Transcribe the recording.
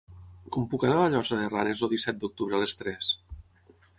Com puc anar a la Llosa de Ranes el disset d'octubre a les tres?